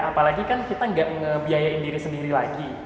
apalagi kan kita nggak ngebiayain diri sendiri lagi